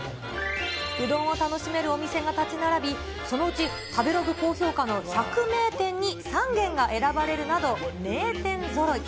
うどんを楽しめるお店が建ち並び、そのうち、食べログ高評価の百名店に３軒が選ばれるなど名店ぞろい。